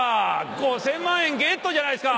５０００万円ゲットじゃないですか！